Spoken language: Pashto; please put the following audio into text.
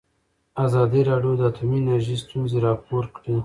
ازادي راډیو د اټومي انرژي ستونزې راپور کړي.